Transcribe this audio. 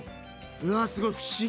うわすごい不思議。